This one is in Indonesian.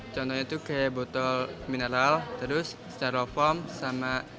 contohnya itu kayak botol mineral terus steroform sama